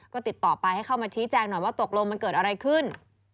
ก็ติดต่อไปให้เข้ามาชี้แจงหน่อยว่าตกลงมันเกิดอะไรขึ้น